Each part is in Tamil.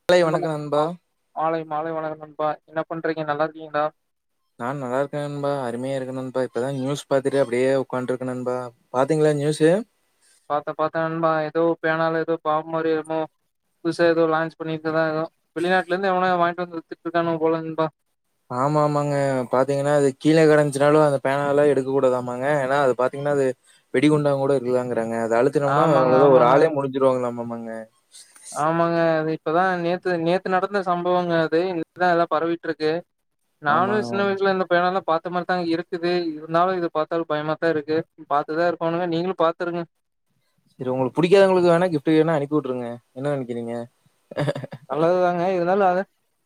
காலை வணக்கம் நண்பா மாலை மாலை வணகநண்பா என்ன பண்றீங்க நல்லா இருகீங்ளா நா நல்லா இருக்கே நண்பா அருமையா இருக்கேனன்பா இப்பதா நியூஸ் பாத்துட்டு அப்டியே உட்காண்ட் இருக்கேனன்பா பாத்தீங்களா நியூஸு பார்த்த பார்த்தநண்பா ஏதோ பேனால ஏதோ பாம்பு மாரி இருக்கு புதுசா ஏதோ லான்ச் பண்ணிட்டுதா வெளிநாட்டுலருந்து எவனாவதுவாங்கி ட்டு வித்துட்ருக்கானு போலனன்பா ஆமா ஆமாங்க பாத்தீங்கன்னா அது கீழ கடஞ்சினாலு அத பேனால எடுக்ககூடாதாமாங்க ஏன்னா அது பாத்தீங்கன்னா அது வெடிகுண்டா கூட இருக்குதாங்க அத அழுத்துனோம்னா ஆமாங்க, அவ்ள ஒரு ஆமாங்க, ஆளே முடிஞ்சுவாங்களாமம ங இப்பதா நேத்து நேத்து நடந்த சம்பவங்க அது இப்ப தா எலா பரவிட்டுருக்கு நானு ஆமாங்க சின்ன வயசுல இந்த பேனாலா பார்த் அ மாரி தாங்க இருக்குது இருந்தாலு இத பார்த்தாலு பயமா தா இருக்கு பாரத்துதா இருப்பானுவ நீங்களு பாத்துருங்க சரி உங்களுக்கு பிடிக்காதவங்களுக்கு வேணா கிஃப்டு வேணா அனுப்பி விட்டுருங்க என்ன நெனைக்கிறீங்க நல்லதுதாங்க இருந்தாலு அது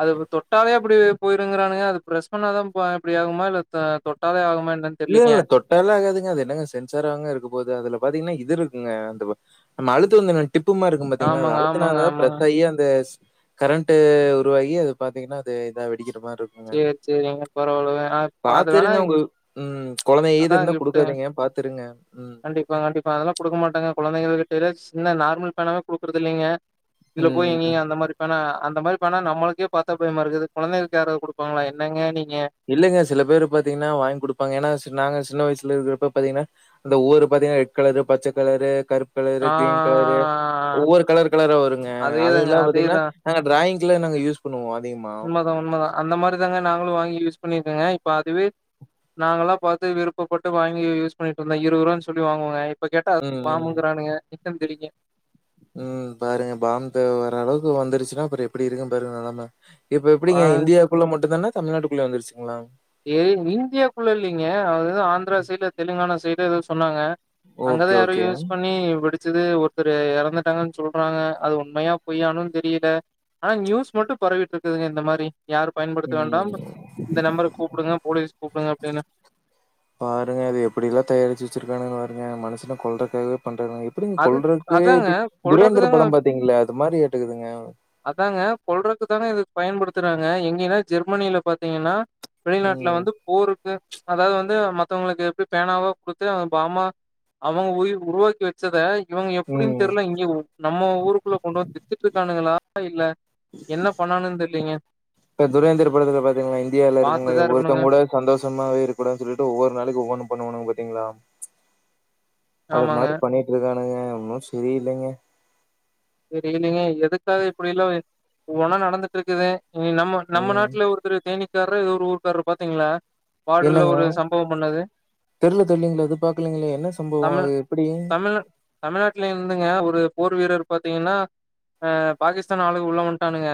அது தொட்டாலே அப்டி பொயிருங்கிறானுங்க அது பிரெஸ் பண்ணாதா இப்டி ஆகுமா இல்ல அ தொட்டாலே ஆகுமா என்னன்னு தெரியலீங்க. இல்ல இல்ல தொட்டால ஆகாதுங்க அது என்னங்க சென்சாராங்க இருக்க போது அதுல பாத்தீங்கன்னா இது இருக்குங்க அந்த ப நம்ம அழுத்துவந்தானே டிப்புமா இருக்கும் பாத்தீங்களா அது ஆமாங்க ஆமாங்க அழுத்னாலே ஆமாங்க. ப்ரெஸ் ஆயி அந்த கரண்ட் உருவாகி அது பாத்தீங்கன்னா அது இதா வெடிக் சேரி சேரிங்க பரவால வே அ இப்ப அது வேணா பாத்துருங்க உங்க உம் குழந்த ஈது அதா இருந்தா கிஃப்ட்டுங்க. கொடுக்காதீங்க பாத்து இருங்க கண்டிப்பா கண்டிப்பா அதெல்லா குடுக்க மாட்டங்க குழந்தைங்க கிட்டலா சின்ன நார்மல் பேனாவே குடுக்குறது இல்லிங்க இதுல போய் ம். எங்கிங்க அந்த மாரி பேனா அந்த மாரி பேனா நமளுக்கே பாத்தா பயமா இருகுது கொழந்தைகலு யாராது கொடுபாங்ளா என்னங்க நீங் இல்லிங்க சில பேரு பாத்தீங்னா வாங்கி குடுப்பாங்க ஏன்னா சி நாங்க சின்ன வய்ஸ் ல்லருக்கப்ப பாத்தீங்னா அந்த ஊரு பாத்தீங்னா ரெட் கலரு பச்ச கலரு கருப் ஆ கலரு கிரீன் கலரு ஒவ்வொரு கலர் கலரா வருங்க அதேதாங்க அதுலா பாத்தீங்னா அதேதான். நாங்க டிராயிக்ல நாங்க யூஸ் பணுவோ அதிகமா ங்க நாங்களும் வாங்கி யூஸ் பண்ணிருக்கோங்க இப்ப அதுவே நாங்களா பாத்து விருப்பபட்டு வாங்கி யூஸ் பண்ணிட்டுந்தோ இருவது ரூவானு சொல்லி வாங்குவோங்க இப்ப கேட்டா பணமு அ எச்சம் தெரிங்க உம் பாருங்க பாம் த வர அளவுகு வந்துசுனா அப்றம் எப்டி இருகுனு பாருங்க நெலம இப்ப எப்டிங்க ஆ இந்தியாக்குள்ள மட்டு தனே தமிழ்நாட்டுகுள்ள வந்துச்சு ஏ இந்தியாக்குள்ள இல்லிங்க அத ஆந்ரா சைடு தெலுங்கானா சைடு எதோ சொன்னாங்க அங்கதா ஓகே யாரும் ஓகே. யூஸ் பண்ணி வெடிச் சுது ஒர்தரு எறந்துடாங்கனு சொல்றாங்க அது உண்மையா பொயானும்னு தெரியல ஆனா நியூஸ் மட்டு பரவிட்டு இருகுதுங்க இந்த மாரி யாரு பயன்படுத்த வேண்டாம் ம் இந்த நம்பர கூ பாருங்க அது எப்டில்லா தயாரிச்சு வச்சிருக்கானுங் பாருங்க மனுசுன கொல்றகாக பண்றதுங்க எப்டிங்க அது கொல்றதுலே அதாங்க இப்டி கொல்றக்கு துரேந்திர தாங்க படம் பாதீங்ள அது மாரி ஏட்டுகுதுங்க அதாங்க கொல்றக்கு தாங்க இத பயன்படுத்துறாங்க எங்கன்னா ஜெர்மனியில பாத்தீங்கன்னா வெளிநாட்ல ம் வந்து போருகு அதாவது வந்து மத்தவங்களுக்கு எப்டி பேனாவா குடுத்து அவ பாமா அவங்க உயி உருவாக்கி வச்சத இவங்க எப்டினு ம் தெரில இங்க நம்ம ஊருகுள்ள கொண்டு வந்து வித்துடு காணுங்களா இல்ல என்ன பண்ணானு தெர்லீங்க இப்ப துரேந்திர படத்துல பாத்தீங்களா இந்தியால பாத்துதா இருக்கணுங்க இருக்கவங்கவொருத்தவங் கூட சந்தோஷமாவே இருக்கூடாதுனு சொல்லிட்டு ஒவ்வொரு நாளைக்கு ஒவ்வொனு பண்ணுவானுங்க பாத்தீங்களா அது ஆமாங்க மாரி பண்ணிட் இருக்கா ன்னங்க ன்னு சரி இலைங்க தெரிலைங்க எதுகாக இப்டிலாம் ஒவொனா நடந்துடுருக்குது நீ நம்ம நம்ம ம் நாட்டுல ஒருத்தர் தேனி இருகாரு ஒரு ஊருகாரு பாதீங்களா பார்டல என்னங்க ஒரு சம்பவோ பண்ணது தெர்ல தோழி அது பாக்கலீங்களே என்ன சம்பவம் தமிழ் அது எப்டி தமிழ் தமிழ்நாட்டுல இருந்துங்க ஒரு போர் வீரர் பாதீங்கனா அஹ பாகிஸ்தான் ஆளுங்க உள்ள வன்டானுங்க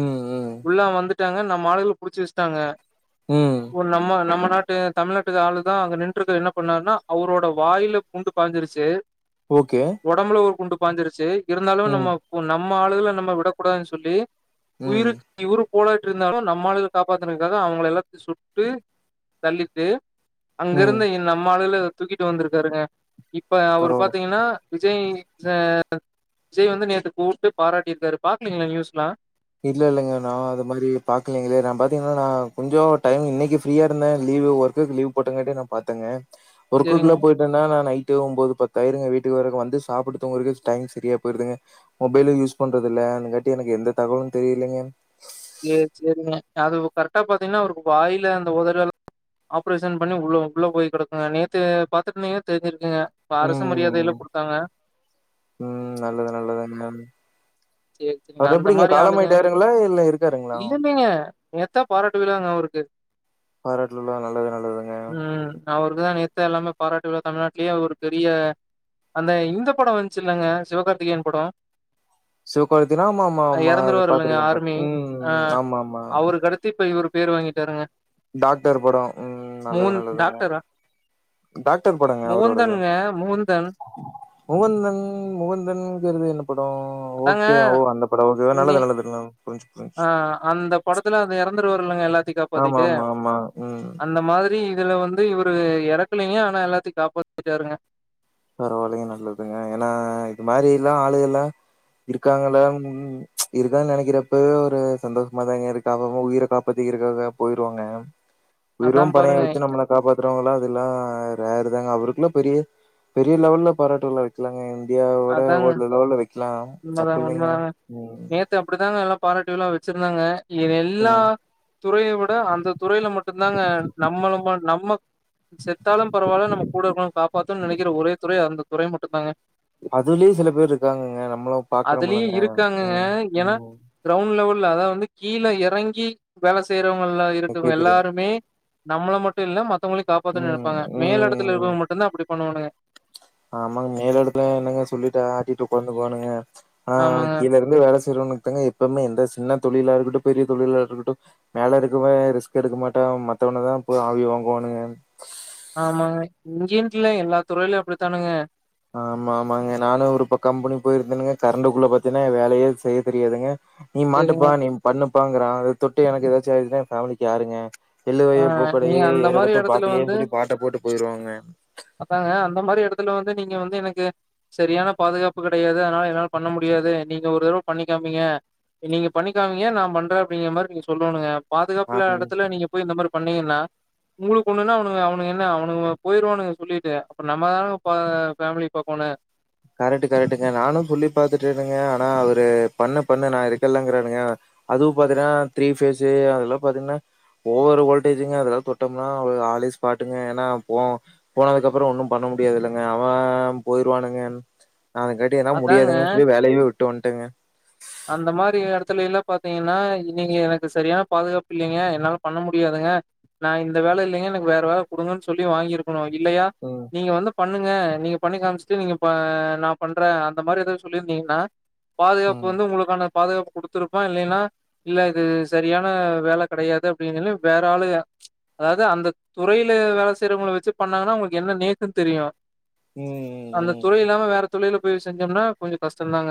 ம் ம் உள்ளாம் வந்துட் விட்டாங்க நம்மாலுங்கள புடிச்சு வச்ட்டாங்க ம் ஒரு நம்ம நம்ம நாட்டு தமிழ்நாட்டு ஆளுதா அங்க நின்றுக்க என்ன பண்ணாருன்னா அவரோட வாயில குண்டு பாஞ்சிருசு ஓகே ஒடம்புல ஒர் குண்டு பாஞ்சிருச் இருந்தாலு ம் நம்ம நம்ம ம்ம ஆளுகள நம்ம விடக்கூடாதுன் சொல்லி ம் உயிருக் இவுரு போலாய்ட்ருந்தாலு நம்மாளுக காப்பாத்துறதுக்காக அவுங்கள எல்லாத்த சுட்டு தள்ளிட்டு ம் அங்கருந்த ‌இ‌ன் நம்மாளுகல தூக்கிட்டு வந்துருக்காருங்க இ ப்ப அவரு பரவால்ல பாத்தீங்கனா விஜய் ச விஜய் வந்து நேத்து கூப்டு பாராட்டிர்காரு பாக்லிங்ளா நியூஸ்லா இல்லெல்லங்கண்ணா அது மாதிரி பாக்கலைங்களே நா பாத்தீங்கனா நா கொஞ்சோ டைம் இன்னக்கி ஃப்ரீயா இருந்தே லீ்வு ஒர்க்குக்கு லீவ் போட்டங்காட்டி நா பாத்தெங்க சேரிங்க ஒர்க்குகுலா போயிட்டன்னா நா நை ட்டு ஒம்போது பத்தாயிருங்க வீட்டுக் வரக்கு வந்து சாப்புட்டு தூங்குறக்கே டைம் சரியா போயிருதுங்க மொபைல யூஸ் பண்றதுல்ல அதுங்காட்டி எனக்கு எந்த தகவலு தெரியிலங்க சேர் சேரிங்க அதுவு கரெட்டா பாத்தீன்னா அவருக்கு வாயில அந்த ஒதட்ல [inaudible] ஆப்ரேஷன் பண்ணி உள்ள உள்ள போய் கடக்குங்க நேத்து பாத்துட்ருன்னிங்க தெருஞ்சுருக்குங்க இப்ப அரசு ம் மரியாதையல்லா குடுத் தாங்க ம் நல்லது நல்லது [unintelligible] சேர் செரிங்க அந்த மாரி ஆளுங்க இல்ல இருக்காருங்களா இல்லல்ல நேத்தா பாராட்டு விழாங்க அவருக் கு பாராட்டு விழா நல்லது நல்லதுங்க க்குதா நேத்தா எல்லாமே பாராட்டு விழா தமிழ்நாட்லயே அவர் ஒரு பெரிய அந்த இந்த படொ வன்ச்சில்லங்க சிவகார்த்திகேயன் படொ சிவக்கார்த்தினா ஆமாமா ஆமா அது இல்லங்க பாத்துருக்கே பாத் ஆர்மி ஆ ம் ஆமா ஆமா அவருக்கு அடுத்து இப்ப இவரு பேர் வாங்கிட்டாருங்க டாக்டர் படொ ம் நல்லது மோகன் நல்லதுங்க டாக்டரா டாக்டர் படங்க அவரோடது மோகன்தானுங்க மோகன்தான் முகந்தன் முகந்தன்ங்குறது என்ன படொ ஓ அதாங்க ஓகே ஓ அந்த படொ [unintelligible] நே நல்லது நல்லது நல் ஆ அந்த படத்துல அத எறந்துடுவ [unintelligible] எல்லா த்தி ஆமா காப்பாத்திட்டு ஆமா ஆமா ம் அந்த மாதிரி இதுல வந்து இவரு எறக்கலிங்க ஆனா எல்லாத்தை காப்பாத்திட்டாருங்க பரவால்லங்க நல்லதுங்க எனா இது மாரிலா ஆளுகள்ளா இருக்காங்கல ம் இருக்கான் நெனக்கிறப்பவெ ஒரு சந்தோஷ்மாதாங்க இருக்கு அப்பப உயிர காப்பாதிக்குருகாக போயிருவாங்க அதா உயிரும் பனைய பாருங்க வச்சு நம்மள காப்பாத்த றவுங்களா அதுல்லா ரேருதாங்க அவருக்குல்லா பெரிய பெரிய லெவல்ல பராட்டுவிழா வெக்லாங்க [unintelligible] அதாங்க ஒரு லெவல்ல வெக்லா உண்மதாங்க தப்பில்லைங்க ம் பாரட்டுவிழா வச்சுருந்தாங்க எல்லா ம் துறைய விட அந்த துறைல மட்டுந் தாங்க நம்மளமா நம்ம செத்தாலும் பரவால்ல நம்ம கூடருக்கவங் காப்பாத்துன் நெனக்கிற ஒரே துறை அந்த துறைய மட்டு தாங்க அதுலே சில பேர் இருக்காங்கங்க நம்மளா பாக்குறோமுல்லா அதுலயு கெடையாது ம் ம் இல்ல அதா வந்து கீல எறங்கி வேல செய்ற் ரவங்கல்லா இருக்கும் கேக்குது. எல்லாருமே நம்ள மட்டு இல்ல மத் மத்தவங்களையு காப்பாத்தணுன்னு ம் நெனைப்பாங்க மேலிடத்துல ம் இருக்கறவங்க மட்டுந்தா அப்படி பண்ணுவானுங்க ஆமாங்க மேலிடத்துல என்னங்க சொல்லிட்டு ஆட்டிட்டு உக்காந்துகுவானுங்க ஆ ஆமாங்க கீலருந்து வேல செய்ரவனுக்கு தாங்க எப்பவுமே எந்த ஸ் சின்ன தொழிலா இருக்கட்டு பெரிய தொழிலா இருக்கட்டு மேல இருக்கவே ரிஸ்க் எடுக்க மாட்டா மத்தவனதா போய் ஆவி வாங்குவானுங்க ஆமாங்க இங்கன்ட் இல்ல எல்லா துறையிலு அப்படித்தானங்க ஆமா ஆமாங்க நானு ஒருப்பக் கம்பெனி போயிருந்தேனுங்க கரண்டக்குள்ள பாத்தீங்கன்னா வேலையே செய்ய தெரியாதுங்க நீ சரிங்க. மாட்டுப்பா நீ பண்ணுப் ப்பாங்கறா அத தொட்டு எனக்கு ஏதாச்சு ஆயிடுச்சுனா ஃபேமிலிக்கு யாருங்க எள்ளு ஆ வய பூக்களையே நீங்க அந்த மாரி ஏறெடுத்து இடத்துல வந்து பாக்கலையேன்னு சொல்லி பாட்ட போட்டு போயிருவாங்கங்க து நீங்க வந்து எனக்கு சரியான பாதுகாப்பு கெடையாது அதனால என்னால பண்ண முடியாது நீங்க ஒரு தடவ பண்ணிக்காமிங்க நீங்க பண்ணிக்காமீங்க நா பண்ற அப்டிங்கிற மாரி நீங்க சொல்லோணுங்க ஆ பாதுகாப்பபுல்லா எடத்துல நீங்கப் மாரி பன்னிங்கன்னா உங்களுக்கு ஒண்ணுன்னா அவனுங்க அவனுங்க இன்னா அவனுங்க போயிருவானுங்க சொல்லிட்டு அப்புறொ நம்மதாங்க ப பேஃமிலிய பாக்கோனு கரெட் கரெட்டுங்க நானு சொல்லிப் பாத்துட் த்டங்க ஆனா அவரு பண்ணு பண்ணு நா இருக்கல்லங்கிறாருங்க அதுவு பாத்தீங்கன்னா த்ரீ பேஃஸு அதெல்லா பாத்தீங்கன்னா ஓவர் வோல்டேஜுங்க அதெல்லா தொட்டம்னா அவ்ளோ ஆலே ஸ்பாட்டுங்க ஏன்னா போ போனதுக்கப்புறொ ஒன்னு பண்ண முடியாது இல்லங்க அவன் போயிருவானுங்க நாளகாட்டி எலா அதாங்க. முடியாதுங்கன்னு சொல்லி வேலையவே விட்டு வந்ட்டேங்க த்துல எல்லா பாத்தீங்கன்னா இங்கங்க எனக்கு சரியான பாதுகாப்பு இல்லிங்க என்னால பண்ண முடியாதுங்க நா இந்த வேல இல்லங்க எனக்கு வேற வேல குடுங்கன்னு சொல்லி வாங்கிருக்கணு இல்லையா ம் நீங்க வந்து பண்ணுங்க நீங்கப் பண்ணி காமிச்சுட்டு நீங்க பா நாப் பண்ற அந்த மாரி ஏது சொல்லியிருந்தீங்கன்னா பாதுகாப்பு ம் வந்து உங்களுக்கான பாதுகாப்பு குடுத்துருப்பா இல்லின்னா இல்ல இது செரியான வேல கெடையாது அப்டின்னு சொல்லி வேற ஆளுக அதாவது அந்த துறைல வேல செய்யறவங்கள வெச்சு பண்ணாங்கன்னா அவங்களுக்கு என்ன நேக்குன்னு தெரியு ம் ம் ம் துறைல போய் செஞ்சோம்னா கொஞ்சொ கஷ்டந்தாங்க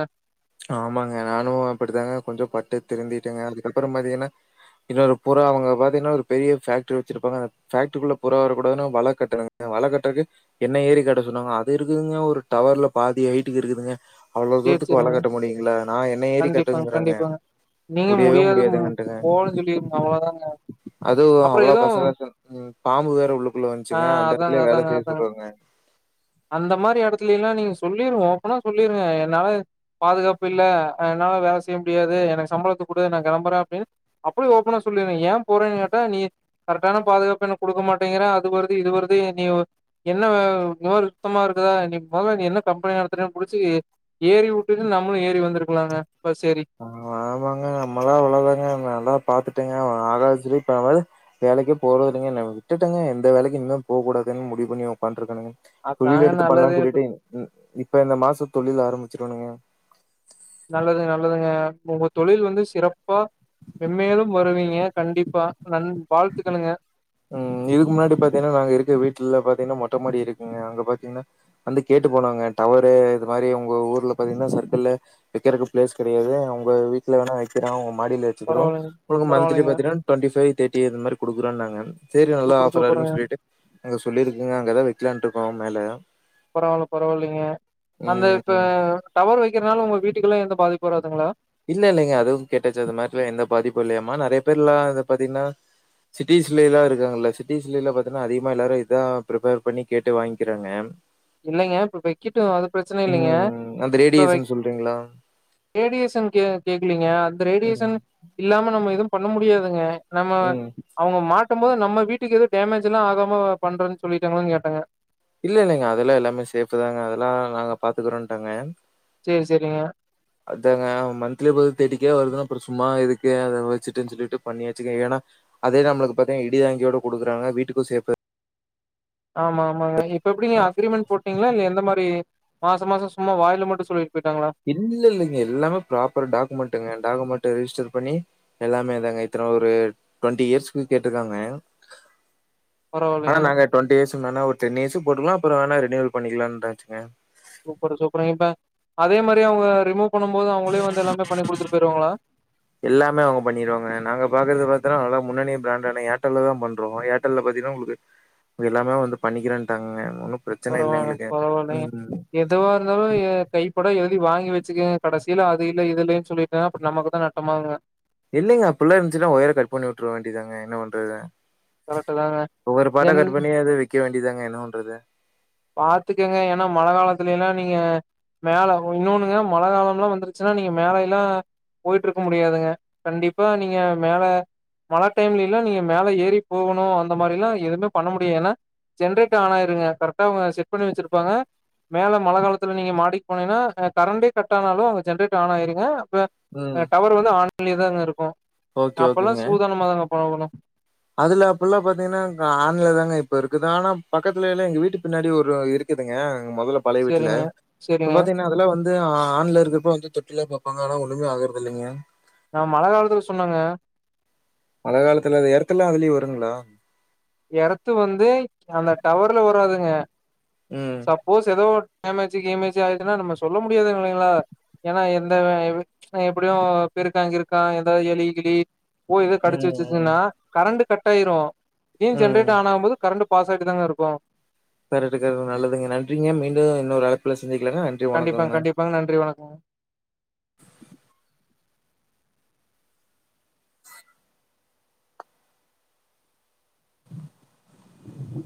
ஆமாங்க நானு அப்படிதாங்க கொஞ்சொ பட்டு திருந்திட்டேங்க அதுக்கப்புறொ பாத்தீங்கன்னா இன்னொரு புறா அவங்க பாத்தீங்கன்னா ஒரு பெரிய பேஃக்ட்ரி வச்சிருப்பாங்க அந்த பேஃக்டரிக்குள்ள புறா வர கூடதுன்னு வல கட்டுனுதுங்க வல கட்றதுக்கு என்ன ஏரி கட்ட சொன்னாங்க அது இருக்குதுங்க ஒரு டவர்ல பாதி ஹட்டுக்கு இருக்குதுங்க அவ்ளோ சேரி தூரத்துக்கு வலக் சேரிங்க கட் கண்டிப்பாங்க கண்டிப்பாங்க நீங்க முடியவே முடியாது ம் முடியாதுங்கன்ட்டுங்க போலன்னு சொல்லிருங்க அவ்ளோதாங்க அதுவு அப்புறம் அவ்ளோ கச எதுவும் கசன்னு ம் பாம்பு வேற உள்ளுக்குள்ள ஆ வந்துச்சுங்க அந்த அதாங்க, எடத்துலயே வேல அதாங்க, செய்ய அதாங்க. சொல்றாங்க அந்த மாரி சொல்லிருங்க ஓப்பனா சொல்லிருங்க னால பாதுகாப்பில்ல அதனால வேல செய்ய முடியாது எனக்கு சம்பளத்த குடு நா கெளம்புறே அப்படின்னு அப்படே ஓபனா சொல்லிருங்க ஏ போறேன்னு கேட்டா நீ கரெக்டான பாதுகாப்பு எனக்கு குடுக்க மாட்டேங்கிற அது வருது இது வருது நீ என்ன இந்த மாரி சுத்தமா இருக்குதா நீ மொதல்ல நீ என்ன கம்பெனி நடத்துரன்னு புடுச்சி ஏறி உட்டுட்டு நம்ளு ஏறி வந்துருக்லாங்க ஆமா ஆமாங்க நம்மளா அவ்ளதாங்க நல்லா பாத்து ட்டேங்க [unintelligible] வேலைக்கே போறதில்லெங்க ந விட்டுட்டெங்க எந்த வேலைக்கு இன்மே போ கூடாதுன் முடிவு பண்ணி ஒக்கான்ட்ருக்கனுங்க தொழில் அதாங்க எடுத்து நல்லது. பண்லான் சொல்லிட்டு இப்ப இந்த மாச தொழில் ஆரம்பிச் சுருவனுங்க நல்லதுங் நல்லதுங்க உங்க தொழில் வந்து சிறப்பா மெம்மேலும் வருவீங்க கண்டிப்பா நன் வாழ்த்துக்கழுங்க ம் இதுக்கு முன்னாடி பாத்தின்னா நாங்க இருக்கு வீட்ல பாத்தீங்னா மொட்டமாடி இருக்குங்க அங்க பாத்தீங்னா வந்து கேட்டு போனாங்க டவரு இது மாதிரி உங்க ஊர்ல பாத்தீங்னா சர்க்கிள்ல வெக்கறக்கு பிளேஸ் கெடையாது ஒங்க வீட்ல வேணா வக்கிறொ ம் மாடில வெச்சுகிறோ பரவாயில்லைங்க உனக்கு மன்த்திலி பரவாயில்லைங்க பாத்தினா டொண்டிஃபைவ் தேட் டி இது மாரி குடுக்குறொன்னாங்க சூப்பரு சூப்பருங்க சொல்லியிருக்குங்க. அங்கதான் வைக்கலான்ட்டு இருக்கோம் மேல. பரவால்ல பரவால்லைங்க அந்த இப்ப ம். டவர் வக்கிறனால உங்க வீட்டுக்குல்லா எந்த பாதிப்பு வராதுங்ளா ப்பு இல்லையாமா நெறைய பேர்லா இத பாத்தீங்னா சிட்டீஸ்லைலா இருக்காங்கல்ல சிட்டீஸ்லைல்லா பாத்தனா அதிகமா எல்லாரு இதா ப்ரிப்பேர் பண்ணி கேட்டு வாங்க்கிறாங்க இல்லைங்க இப்ப வெக்கட்டு அது பிரச்சன இல்லைங்க ம். அந்த இப்ப வக் ரேடியேஷன் சொல்றீங்களா? ரேடியேஷன் கு கேக்குலிங்க அ ந்த ம், ரேடியேஷன் இல்லாம நம்ம எதும் பண்ண முடியாதுங்க நம்ம ம். அவுங்க மா ட்டும் போது நம்ம வீட்டுக்கு எது டேமேஜ் எல்லா ஆகாம பண்றன் சொல்லிட்டாங்களான் கேட்டங்க இல்ல இல்லைங்க அதுல எல்லாமே சேஃபு தாங்க அதெல்லா நாங்க பாத்துக்குறோன்ட்டாங்க சேரி சேரிங்க அதாங்க மன்த்லி ப தேட்டிக் கே வருதுனா அப்ற சும்மா எதுக்கு அத வச்சுட்டுன் சொல்லிட்டு பண்ணியாச்சுக ஏனா அதே நம்ளுக்கு பாத்த இடி தாங்கியோட குடுக்குறாங்க வீட்டுக்கு சேஃபு ஆமா ஆமாங்க இ ப்ப எப்டிங்க அ அக்ரிமெண்ட் போட்டீங்ளா இல்ல எந்த மாரி மாச மாச சும்மா வாய்ல மட்டு சொல்லிட் இல்ல இல்லெங்க எல்லாமே ப்ராப்பர் டாக்குமெண்ட்டுங்க டாக்குமெண்ட் ரிஜிஸ் சர் பண்ணி எல்லாமே தாங்க இத்தன ஒரு டொண்ட்டி இயர்ஸ்கு கேட்ருக்காங்க பரவாயில்லைங்க ஆனா நாங்க டொன்ட்டி இயர்ஸ் டு நானா ஒரு டென் இயர்ஸு போட்டுக்லா அப்புற வேணா ரினீவல் பண்ணிக்குலான்ட்டாச்சுங்க சூப்பரு சூப்பருங் இப்ப அதே மாரி அவுங்க ரிமூ எல்லாமே அவுங்க பண்ணிருவாங்க நாங்க பாக்குறது பாத்தனா நல்லா முன்னணி பிராண்டான ஏர்டெல்ல தா பண்றோ ஏர்டெல்ல பாத்தீன்னா உங்ளுக்கு எல்லாமே வந்து பண்ணிக்கிறேன்ட்டாங்கங்க ஒன்னு பிரச்சன இல்ல பரவால்ல எங்களுக்கு பரவால்லைங்க ம் எதுவாருந்தாலு ஏ கைப்பட எழு தி வாங்கி வச்சுக்கங்க கடசீல அது இல்ல இதுல்லைன் சொல்லிட்டா அப்ற நமக்கு தா நட்டமாகுங்க இல்லெங்க அப்பில்லா இருன்ச்சுனா ஒயர கட் பண்ணி உட்ர வேண்டியதாங்க என்ன பண்றது கரெக்ட்டு தாங்க. ஒவ்வொரு பாட்டா தென் கட் பண்ணி அத வி க்கெ வேண்டியதாங்க என்ன பன்றது பாத்துக்கங்க ஏன்னா மழ காலத்துல எல்லாம் நீங்க மேல இன்னொன்னுங்க மழ காலம் எல்லாம் வந்துருச்சுன்னா நீங்க மேல எல்லா போயிட்டு இருக்க முடியாதுங்க கண்டிப்பா நீங்க மேல மழ டைம்ல எல்லாம் நீங்க மேல ஏறி போகணும் அந்த மாரி எல்லாம் எதுவுமே பண்ண முடியா ஏன்னா ஜென்ரேட்டர் ஆன் ஆயிருங்க கரெ அவங்க செட் பண்ணி வச்சிருப்பாங்க மேல மழை காலத்துல நீங்க மாடி போனீன்னா அ கரண்டே கட் ஆனாலும் அவுங்க ஜென்ரேட்டர் ஆன் ஆயிருங்க வ ம் அ டவர் வந்து ஆன் ஆன்லயேதாங்க இருக்கு ஓகே அப்பல்லா ஓகேங்க சூதானமா தாங்க போகனு அதுல அப்பல்லாம் பாத்தீங்கன்னா ஆன்ல தாங்க இப்ப இருக்குது ஆனா பக்கத்துல எல்லா எங்க வீட்டு பின்னாடி ஒரு இருக்குதுங்க முதல்ல பழைய வீட்டுல சேரிங்க இப்ப சேரிங்க பாத்தீங்கன்னா அதெல்லாம் வந்து து ஆ ஆன்ல இருக்கப்ப வந்து தொட்டெல்லாம் பார்ப்பாங்க ஆனா ஒண்ணுமே ஆகுறது இல்லைங்க அ மழ காலத்துக்கு சொன்னேங்க மழ காலத்துல அந்த எர்த்துல்லா அதுலேயே வருங்களா ஏர்த்து வந்து அந்த டவர்ல வராதுங்க ம் சப்போஸ் ஏதோ டேமேச்சு கிமேச்சி ஆயதுன்னா நம்ம சொல்ல முடியாது இல்லைங்களா ஏன்னா எந்த வ எப்டி அ எப்படியு பெருக்கா கிருக்கான் இருக்கா எதாவது எலி கிலி ஓ ஏதோ ம் கடிச்சு ம் வச்சிருச்சுன்னா கரண்ட கட் கட்டாயிரு பின் ஜெரேட் ம் ஆன் ஆகும் போது கரண்ட் பாஸ் ஆகிட்டு தாங்க இருக்கு கரெட்டு கரெட்டு நல்லதுங்க நன்றிங்க மீண்டும் இன்னொரு அழைப்பில கண்டிப்பாங்க கண்டிப்பாங்க நன்றி வணக்கங்க [inaudible]